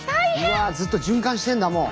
うわずっと循環してんだもう！